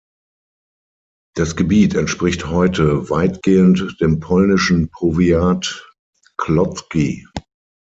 Das Gebiet entspricht heute weitgehend dem polnischen Powiat Kłodzki.